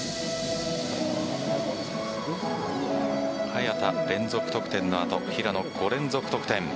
早田、連続得点の後平野、５連続得点。